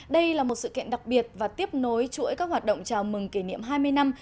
đây là một sự kiện đặc biệt và tiếp nối chuỗi các hoạt động chào mừng kỷ niệm hai mươi năm